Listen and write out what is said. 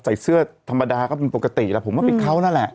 ใส่เสื้อธรรมดาก็เป็นปกติติแต่ผมก็ปิดเขา